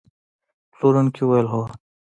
پلورونکي وویل: هو.